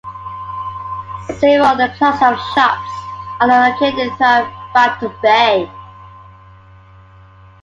Several other clusters of shops are located throughout Bateau Bay.